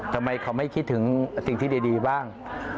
ทำไมเขาไม่คิดถึงสิ่งที่ดีบ้าง